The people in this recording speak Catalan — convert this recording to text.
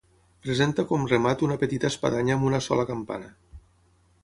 Presenta com remat una petita espadanya amb una sola campana.